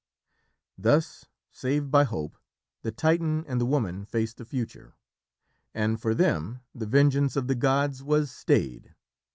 Thus, saved by Hope, the Titan and the woman faced the future, and for them the vengeance of the gods was stayed.